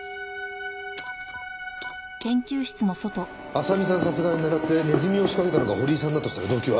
麻美さん殺害を狙ってネズミを仕掛けたのが堀井さんだとしたら動機は？